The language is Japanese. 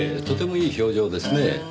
とてもいい表情ですねぇ。